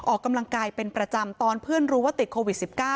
ออกกำลังกายเป็นประจำตอนเพื่อนรู้ว่าติดโควิด๑๙